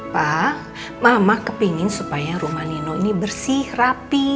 pa mama kepengen supaya rumah nino ini bersih rapi